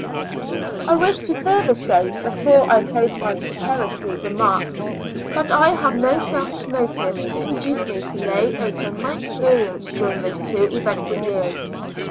Preface. 9 I wish to farther say, before I close my preparatory remarks, that I have no selfish motive to induce me to lay open my experience during those two eventful years.